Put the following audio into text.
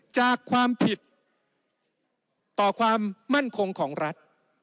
จากความผิดต่อความมั่นคงของรัฐ